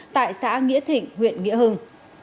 tại xã nghĩa thịnh huyện nghĩa hưng